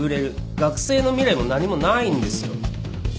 学生の未来も何もないんですよ。